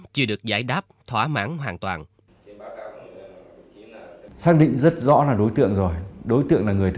chưa được giải đáp thỏa mãn hoàn toàn